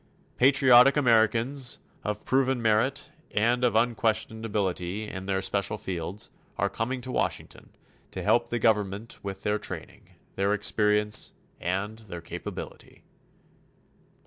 Patriotic Americans of proven merit and of unquestioned ability in their special fields are coming to Washington to help the government with their training, their experience and their capability.